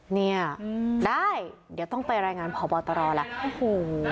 นี่ได้เดี๋ยวต้องไปรายงานหมอบ็อตตรอลแล้ว